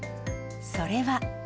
それは。